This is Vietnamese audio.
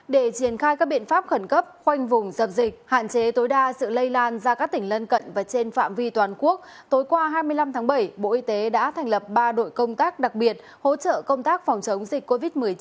để triển khai các biện pháp khẩn cấp khoanh vùng dập dịch hạn chế tối đa sự lây lan ra các tỉnh lân cận và trên phạm vi toàn quốc tối qua hai mươi năm tháng bảy bộ y tế đã thành lập ba đội công tác đặc biệt hỗ trợ công tác phòng chống dịch covid một mươi chín